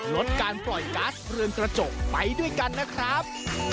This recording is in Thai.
ลดการปล่อยก๊าซเรือนกระจกไปด้วยกันนะครับ